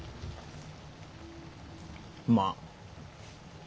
まあ。